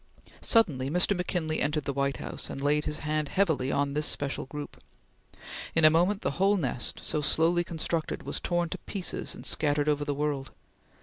Suddenly Mr. McKinley entered the White House and laid his hand heavily on this special group. In a moment the whole nest so slowly constructed, was torn to pieces and scattered over the world.